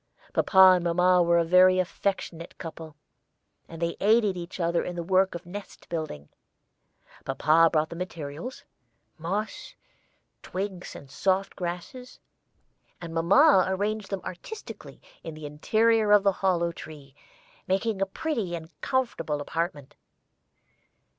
Papa and mamma were a very affectionate couple, and they aided each other in the work of nest building. Papa brought the materials moss, twigs, and soft grasses and mamma arranged them artistically in the interior of the hollow tree, making a pretty and comfortable apartment.